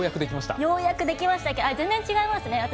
ようやくできましたけど全然、違いますね。